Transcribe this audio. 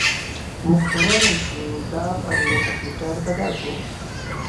موږ کولی شو دا په یو کمپیوټر بدل کړو